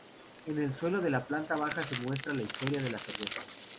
En el suelo de la planta baja se muestra la historia de la cerveza.